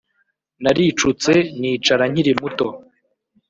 Naricutse nicara nkiri muto